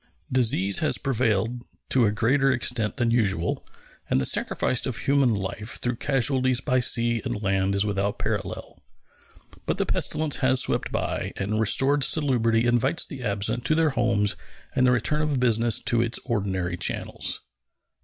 Disease has prevailed to a greater extent than usual, and the sacrifice of human life through casualties by sea and land is without parallel. But the pestilence has swept by, and restored salubrity invites the absent to their homes and the return of business to its ordinary channels.